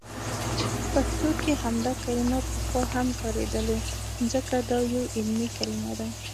په پښتو کې همدا کلمه پخوا هم کاریدلي، ځکه دا یو علمي کلمه ده.